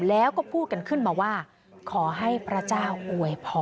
แล้วก็พูดกันขึ้นมาว่าขอให้พระเจ้าอวยพร